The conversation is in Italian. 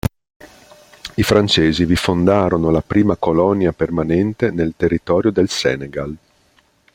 I francesi vi fondarono la prima colonia permanente nel territorio del Senegal.